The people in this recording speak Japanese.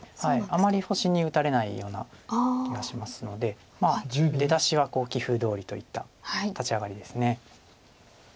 あまり星に打たれないような気がしますので出だしは棋風どおりといった立ち上がりです。